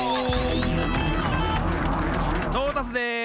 トータスです！